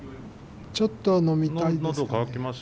ちょっと飲みたいです。